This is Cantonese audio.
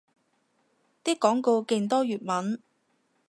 啲廣告勁多粵文